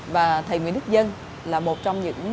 và thầy nguyễn đức dân là một trong những